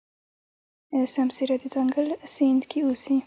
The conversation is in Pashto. سمسيره د ځنګل سیند کې اوسي.